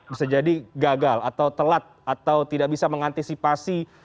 bisa jadi gagal atau telat atau tidak bisa mengantisipasi